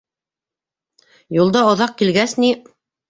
Юлда оҙаҡ килгәс ни.